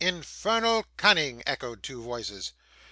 'Infernal cunning,' echoed two voices.